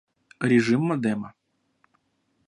Режим модема